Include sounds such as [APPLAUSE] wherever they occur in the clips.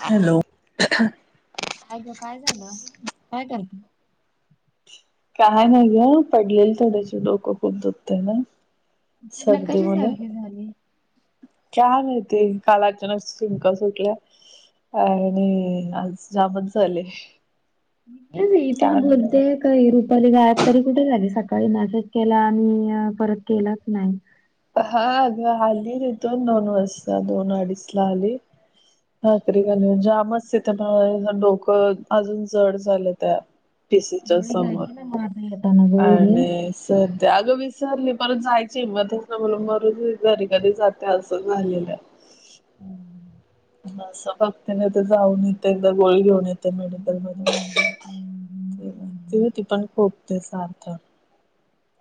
Hello ऐ ग काय झालं काय करत काय नाही ग पडलेली थोड्याशी डोकं खुत होतते ना सर्दी नकाशी म सारखी झाली. काछ माते काल अचान चिंका सुटल्या अ आणि आज जामच झाल पण बोलते का रुपाली गायब गायब तरी कुठे झाली सकाळी मेसेज करायला परत काय केलास नाही हा अग आली तिथून दोन वाजता दोन अडीच ला आली ठकाली जामच तिथ डोकं अजून जड झालं त्या टीसीच्या गोळी समोर घ्यायची ना मग आता येताना गोळी घे. आणि सध्या अगं विसरली परत जायची मध्ये म्ह मर घरी घरी जाते असं झालेल्या हम असं बघते नाही तर जाऊन येत एकदा गोळी घेऊन येत मेडिकल मती पण खूप त्याचा अर्थ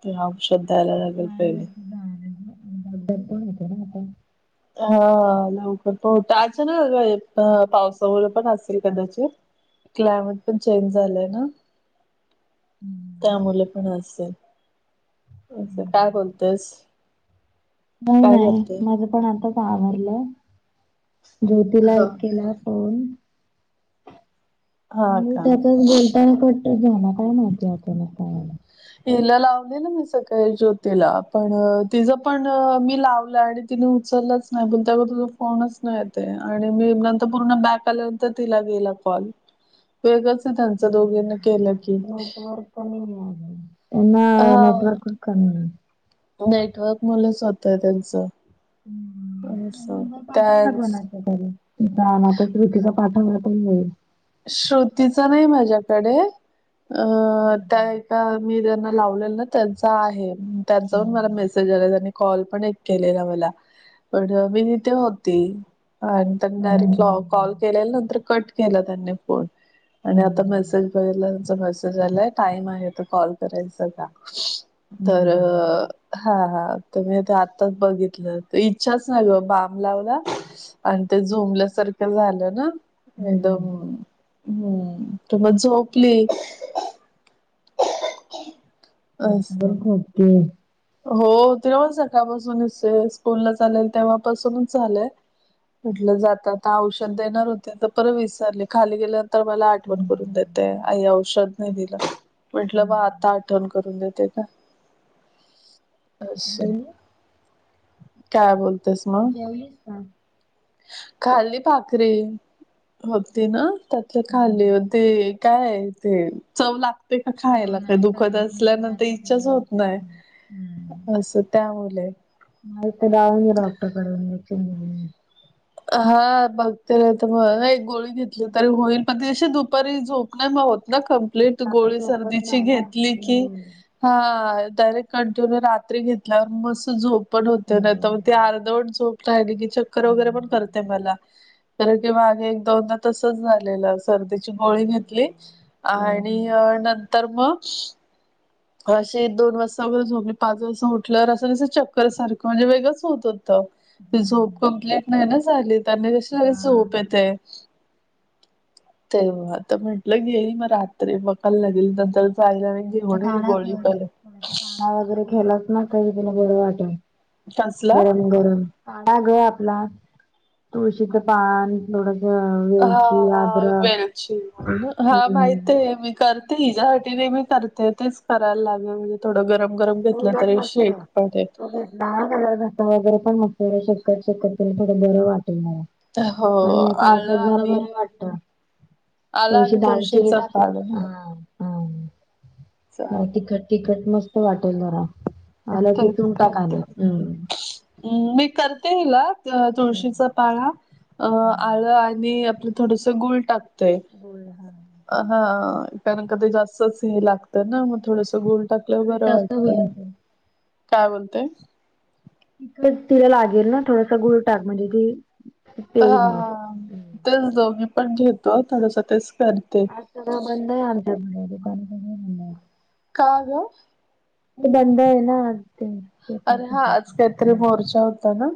ते अऔशधायला लागेल पहिले दर पण येत ना आता हा लवकर प अ ना पावसामुळे पण असेल कदाचित क्लायमेट पण चेंज झालंय ना त्यामुळे पण असेल असं काय बोलतेस नाही काय नाही करते माझ पण आताच आवडलं ज्योतीला हा एक केलं हो हा मी का त्याचाच बोलो ट घ्या ना काय माहितीता मग पाला हिला लाव दे ना मी सकाळी ज्योतीला पण तिचं पण मी लावलं आणि तिने उचललंच नाही त्या तुझ फोनच नाही येते आणि मी नंतर पूर्ण बॅक त्याल्यानंतर तिला गेला कॉल वेगळच त्यांचं दोघीनी केलं की. नेटवर्क त्यांना हा नेटवर्क कमी हाय. नेटवर्क मलं स्वत आहे त्यांचं. असं नंबर पाठव न त्याच कोणा. ना कतीचा [UNINTELLIGIBLE] पाठ हो का हो श्रोतीचा नाही माझ्याकडे अं त्या एका. मी त्यांना लावलेल ना त्यांचा आहे त्यांचा पण मला मेसेज आ त्यांनी कॉल पण एक. केलेला मला पण मी इथे होती. आता डायरेक्टॉ लाव कॉल केलेला नंतर कट केला त्यांनी. होय आणि आता मेसेज बघितला त्यांचा मेसेज. झालंय टाइम आहे त कॉल कराय का तर. हा हा तर मी ते आत्ताच बघितलं त इच्छाच नाही ग बम लावला. आणि ते झुमल्यासारखं झालं ना एकदमच. हम्म तमग झोपली. अ असं. [UNINTELLIGIBLE] ओके हो तेराव सकाळपासूनच स स्कूल ला चालेल तेव्हापासूनच झालंय. कुठलं जात औषध देणार होते परत विचारले खाली गेल्यानंतर मला आठवण करून द्याेत. ते आई औषध नाही दिलं म्हटलं बा आता आठवण करून देते का. अस जेवली काय बोलतेस मग. जेवलीस का? खाली भाकरी. होते ना त्यातले खाली होते काय आहे ते. चव लागते का हो खायला काही ना दुखत सर्दीने तुला असल्यानंतर आता इच्छाच ते होत तेच नाही. ना असं त्यामुळे. माग ते जावऊन डॉक्टर कडे इंजेक्शन घेतले. हा बघते र तर मग एक गोळी घेतली तरी होईल पण तशी दुपारी झोप नाही मग होत ना कम. लय ते आता गोळी झोपत सर्दीची नाही घेतली की. ना. हा डायरेक्ट कंटिन्यू रात्री घेतल्यावर मस्स झोप. पण होते ना तर मग ते अर्धवण झोप राहिली की चक्कर वगैरे पण करतेय मला. तर ते मागे एक दोनदा तसच झालेलं सर्दीची गोळी घेतली. आणि नंतर मग. अशी दोन वाजता वगैर झोपली पाच वाजता उठलं असं तसं चक्कर सारखंणजे वेगंच होत होतं. ती झोप कंप्लीट नाही ना झाली त्यां हा, जशी झोप येत. तेव्हा आता म्हटलं गेली मग रात्री बघायला लागेल नंतर जायला मी. [UNINTELLIGIBLE] होडी गोळी पले काहीतरी खाल्लस ना तर तुला बरं वाटेल कसला? गरम गरम. हा ग आपला तुळशीच पान. दोनच मिळावेत. हा हा वेलची हा हम्म माहित आहे मी. करते हिच्यासाठीने मी करते तेच करायला लागले म्हणजे. थोडं गरम गरम घेतलं तरी शेक मिळतोय तो. ल कलरता वगैरे पण शकत शकत त्याला थोडं बरं वाटेल. हो पण मग आलं पावसात जरा आणि बर वाटत. आला थोडीशी आणि दालचिनी तुळशीचा पाला टाकत हा. म चालेल तिखट तिखट मस्त वाटेल जरा. आला तेच तिथून टाक करते आणि हम्म. मी करते हला. त्या तुळशीचा पाळा अ आळ आणि आपलं थोडस गुळ टाकतय. होय हा. हा कारण का ते जास्तच हे लागतं ना मग थोडस गुळ टाकल्याव तिखट बरं जास्त वाटत होईल ते. काय बोलते? तक तिला लागेल ना थोडासा गुळटाक म्हणजे ती हा पेईल मग. हा तेच दो मी पण घेतो आता जसं तेच करते. सगळ बंद आहे आमच्या इथे दुकान सगळं बंद. का ग? ते बंद आहे ना आज ते पेपर अरे हा आज फुटल्याचा. काहीतरी मोर्चा होता ना?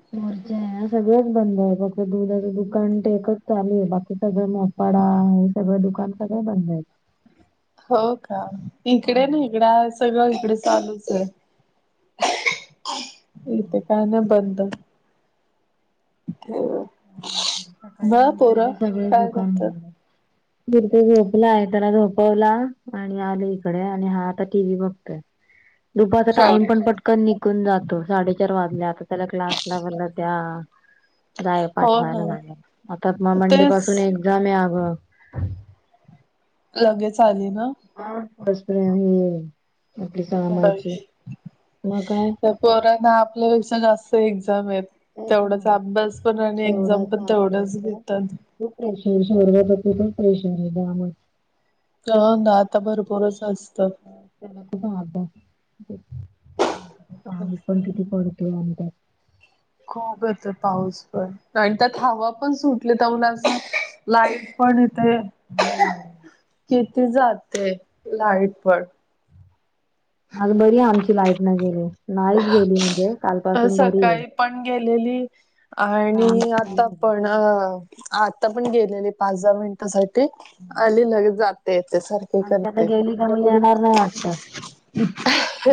ह सगळंच बंद आहे फक्त दुधाच दुकान टे एकच चालू आहे बाकी सगळं बं वडा हे सगळं दुकान सगळे बंद आहेत. हो का इकडे नाही. हा. इकडा सगळं इकडे चालूच आहे. इ ते काय ना बंद. सकाळी ब मी उठले पोरं ते सांगळच काय दुकान करतात बंद. वरती झोपलाय त्याला झोपवला आणि आले इकडे आणि हा आता टी व्ही बघतोय. ह दुपाचा टाइम पण पटकन निकून जातो साडेचार वाजले आता त्याला क्लास लावला त्या जाय हो पाठवायला ना लागेल आता म मंडे तेच पासून एक्झाम ये अगं. लगेच आली ना? हाप आपली सहामायची म काय? पोराना आपल्यापेक्षा जास्त एक्झाम आहेत. त्याच ना तेवढाच अभ्यास पण आणि एक्झाम पण तेवढच घेतात. खू परशान शहरग प्रती पण परेशान आहे गामात. हो ना आता भरपूरच असतं. [INAUDIBLE] खूप येतो पाऊस पण. नाही आणि त्यात हवा पण सुटले त्या मु असं लाईट पण यथे. हम्. किती जाते लाईट पण. आज बरी आहे आमची लाईड नाही गेली नाहीच गेली म्हणजे अ कालपासून बरी आहे. सकाळी पण गेलेली ना आणि आमची नाही आता गेली पण. अ आता पण गेलेली पाच दहा मिनिटासाठी आली लगेच जात ते ते सारख आमच्या आता गेली क मग येणार नाही वाटत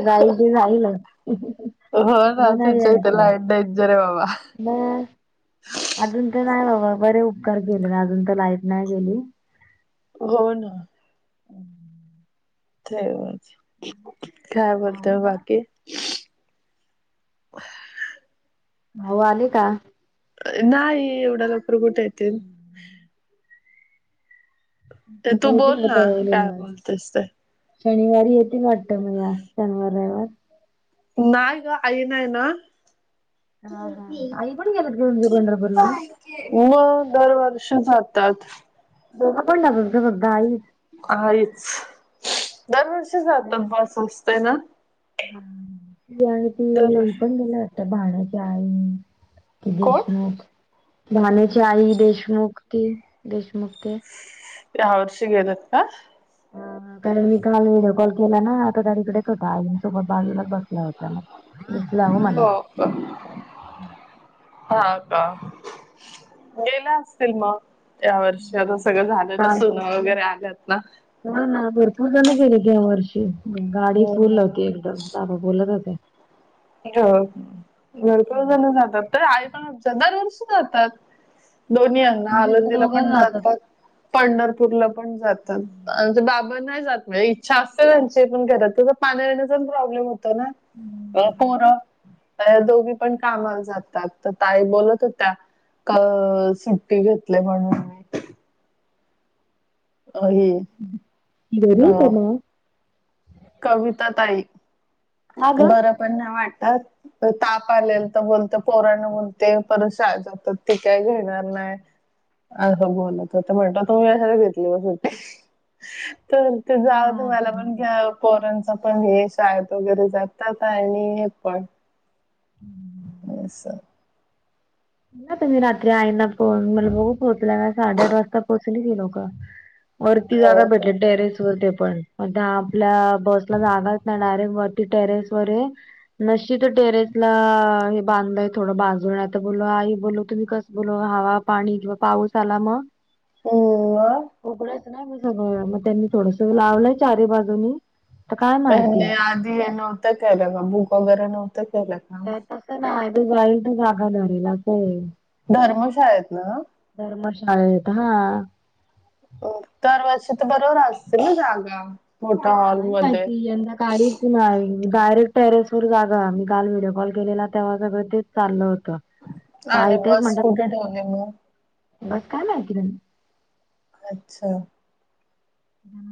जाईल ती जाईल. [INAUDIBLE] हो ना तुमच्या इथ लाईड डेंजर ये बाबा. म अजून ते नाही बाबा बरे उपकार केले ना अजून तर लाईट नाही गेली. हो ना. तेच खाय बोलताय भाऊ म का बाकी? भाऊ आले का? नाही एवढ्या लवकर कुठे येतील. ते आता तू बोल येतील का ना काय तळवलेला बोलतेसत. शनिवारी येते वाटत म या शनिवार रविवार. नाय ग आई नाही ना हा हा आई पण गेलेत ग पंढरपूर ला. मग दरवर्षी जातात. दोघं पण जातात का? फक्त आईच? आईच. दरवर्षी जातात बस असतंय ना. हा आणि ती ही दरवर्षी पण गेले वाटत. भाडयाच्या आईनी. ती कोण? देशमुख. मण्याची आई, देशमुख ती. देशमुख ते. या वर्ष गेलेत का? [UNINTELLIGIBLE] तर मी काल व्हिडिओ कॉल केला ना. त त्याकडेच होता. आईंसोबत बाजूलाच बसला होता मग. दिसला हो मला. तर [INAUDIBLE] हा का? गेला असतील मग? या वर्षी आता सगळं झाल ना. सुना वगैरे आल्यात ना. ह ना भरपूर जण गेले ह्या वर्षी. गाडी हो फुल हो. होती एकदम, बाबा बोलत होते. हो भरपूर जण जातात. त आई पण च्या दर वर्षी जातात. दोन्ही यांना आमच्या इथं अलंदीला दोघं पण जातात. पंढरपूरला पण जातात. बाबानाही जात. म्हणजे इच्छा असते त्यांची. पण घरात तं पाणी येण्याचा पण प्रॉब्लेम होता ना. हम्म. पोरं दोघी पण कामाला जातात. त ताई बोलत होत्या. क सुट्टी घेतले म्हणून. मी अ, ही अ, घरीय का म? कविता ताई. का ग बरं पण नाही वाटतात. त ताप आलेल त बोलत. पोराण बोलते परत शाळेत जातात. ती काय घेणार नाय. असं बोलते त. तू कशाला घेतली मशीन. [UNINTELLIGIBLE] त तो म्हणते जावदे मला बापरे पण घ्या ओ. [UNINTELLIGIBLE] पोरांच पण हे. शाळेत वगैरे जातात. आणि हे पण. हम्म [UNINTELLIGIBLE] अस [INAUDIBLE] ना तुम्ही रात्री आईंना फोन. म्हणल बघू पोहोचला का? साडेआठ वाजता पोहोचली ती लोकं. वरती जागा हो हो भेटली. टेरेस वर ते पण. आता आपल्या बसला जागा च नाही. डायरेक्ट वरती टेरेसवरे. नशी ते टेरेसला हे बांधलंय थोडं बाजूने त बोलो आई बोलो तुम्ही कस बोल. हवा पाणी किंवा पाऊस आला मग? हम्म मग उगडच. नाही मी सगळं म त्यांनी थोडस लावलंय चारी बाजूनी. तर काय पन ह्यांनी माहिती आधी हे नव्हत केयलं का? बुक वगैरे नव्हतं केलं का? ते तसं नाही. जे जाईल ते जागा धरेल असये. धर्मशाळेत ना. धर्मशाळेत. हा. दरवर्षी तर बरोबर असते ना जागा. मोठ्या काय हॉलमध्ये माहिती. यंदा काहीच मा डायरेक्ट टेरेस वर जागा. आम्ही काल व्हिडिओ कॉल केलेला तेव्हा सगळं तेच चाललं होतं. आणि आई तेच बस म्हणतात कुठे ठेवले मग? बस काय माहिती तेन? अच्छा.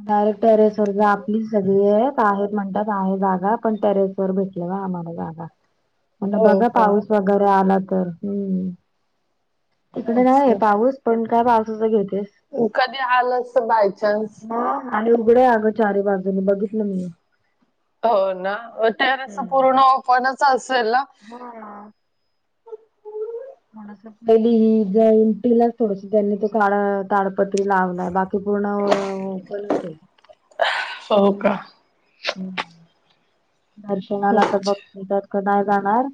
डायरेक्ट टेरेस वर जा आपली सगळीलये आहेत म्हणतात आहे जागा पण टेरेस वर भेटल ग आम्हाला जागा. [INAUDIBLE] पयला बघा का पाऊस वगैरे आला तर. हम्म तिकडे नाहीये अच्छा पाऊस? पण काय पावसाच घेतेस. कधी आलंस बायचान्स. हो, आणि उघडं आय अगं चारी बाजूनी बघितलं मी. हो ना, म टेरेस हम्म पूर्ण ओपनच असेल ना? हा.... थोडंस पयली हि जाईल तीलाच थोडस त्यांनी तो काळं ताडपत्री लावलाय बाकी पूर्ण तलते [UNINTELLIGIBLE] [INAUDIBLE] हो का? दर्शनाला तर हो बघते त्यात काय डाळ जाणार?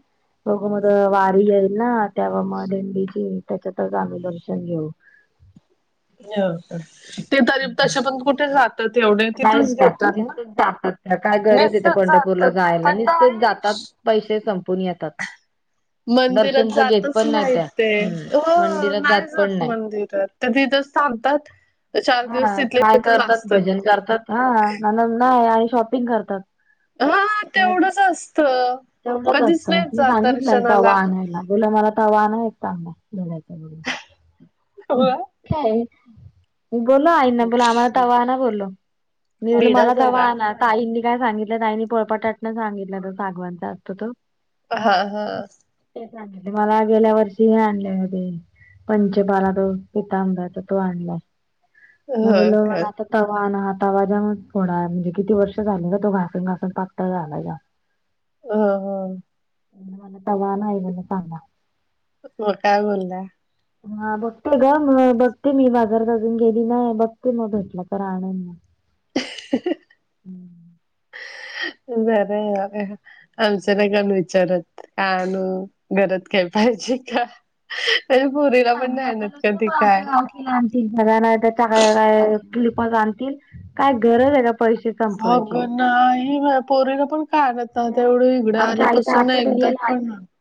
अगं मद वारी येईल ना त्या मग दिंडीची, त्याच्यात आम्ही दर्शन घेऊ. नेवकर [UNINTELLIGIBLE] ते तरी तशी पण कुठे जात नाहीच जातं, निसतच जातात काय गरज आहेे त्या नुसतंच पंढरपूरला जातात जायला पण निसतच जातात. नाही पैशे संपून येतात. दर्शन मंदिरात तर घेत जातच पण नाही त्या नाहीत ते? हम्म हो मंदिरात नाही जात पण नाही. मंदिरात. का तिथच थांबतात? चार हा दिवस तिथले काय तिथंच करतात? भजन असतात करतात हा म्हणून नाही आणि शॉपिंग करतात. हा- हा तेवढंच असत. तेवढच असत मी सांगितलंय तवा आणायला. बोल्ला मला तवा आणा एक चांगला बोलयच [UNINTELLIGIBLE] हम्म कांहीं मी बोल्लो आईनं ना बोल आम्हा तवा आणा बोल्लो. मी म्हटलं मला बिडाच आहे तवा का आणाच. ताईंनी काय सांगितलं? ताईनी पोळपाट लाटणं सांगितलं त सागवाणचा असतो तो. हा- हा. [UNINTELLIGIBLE] मला गेल्या वर्षी हे आणले होते पंचपाळा. पितांबर चा तो आणलाय म हो बोल्लो का मला आता तवा ना तवा ज म फोडा आले म्हणजे किती वर्ष गं झाले का तो घासुण- घासुण पातळ झालाय. अ ह मी म्हटल तवा नाही म्हण चांगला म काय बोल्ल्या? हा बघते ग, म बघते मी बाजारात अजून गेली नाही. बघते मग भेटला तर आणेन. मग. [INAUDIBLE] बराय आग आमचं नाही कोण विचारत. आणू घरात काय पाहिजे का? [INAUDIBLE] माझ्या बिझनेस पोरीला पण नाही सांगायचा आणत नुसतं कधी मग काय. [UNINTELLIGIBLE] आणतील सगळ्यांना तेच हाय [UNINTELLIGIBLE] काय क्पिपाच आणतील काय गरज आहे त्या पैशाच अग नाही माया पोरीला पण काय आणत मग नव्हत्या इघडं आमच्या आई तर आल्यापासून ना अख्ख्या एकदा दुनियेला पण आणते ना [INAUDIBLE]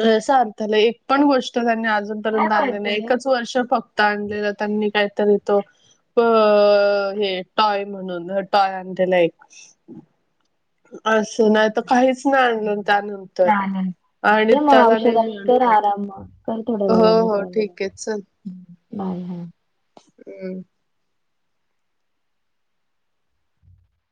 न सार्थना [UNINTELLIGIBLE] एक पण गोष्ट त्यांनी काय अजूनपर्यंत आणली नाही बोलते. एकच वर्ष फक् क्त आणलेला त्यांनी कायतरी हित अ.... हे टॉय म्हणून टॉय आणलेला एक. असं हो नाही तर काहीच नाही नाय आणलं त्यानंतर. चालेल. आणि त्याला नेहमी आणतात. [UNINTELLIGIBLE] म, कर थोड्या हो वेळानी हो कॉल, ठीक आहे बाय हा. अ.